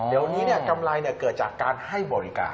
เดี๋ยวนี้กำไรเกิดจากการให้บริการ